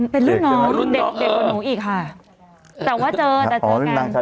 เป็นรุ่นน้องนี่นั่งนี้ค่ะดังว่าเจอแต้า